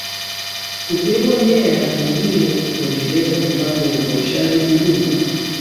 kuteua meya mwengine kuendeleza mipango ya kuboresha huduma